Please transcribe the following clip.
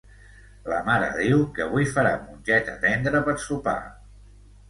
La mare diu que avui farà mongeta tendra per sopar